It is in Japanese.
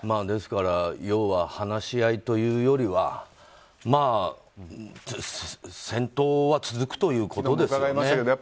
ですから要は話し合いというよりは戦闘は続くということですよね。